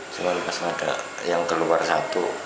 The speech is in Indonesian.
cuma pas ada yang keluar satu